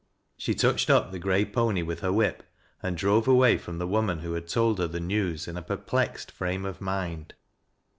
She touched up the gray pony with her whip, and drove away from the woman who had told her the news, in a perplexed frame of mind.